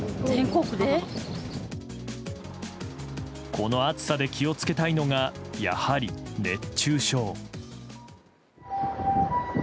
この暑さで気を付けたいのがやはり熱中症。